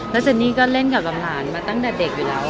แต่เจนก็เล่นกับลำหรันมาตั้งแต่เด็กอยู่แล้ว